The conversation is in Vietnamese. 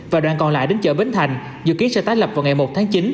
và đoạn còn lại đến chợ bến thành dự kiến sẽ tái lập vào ngày một tháng chín